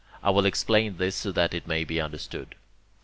I will explain this, so that it may be understood.